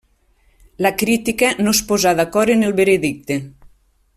La crítica no es posà d'acord en el veredicte.